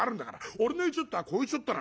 俺の言うちょっとはこういうちょっとなの。